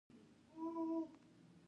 هغه د خپل وطن ساتنه کوله.